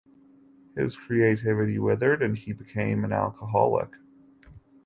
His creativity withered and he became alcoholic.